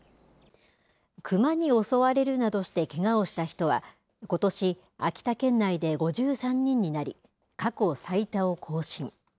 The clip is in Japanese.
クマに襲われるなどしてけがをした人は、ことし、秋田県内で５３人になり、過去最多を更新。